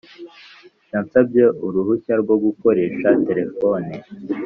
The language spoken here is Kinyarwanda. yansabye uruhushya rwo gukoresha terefone.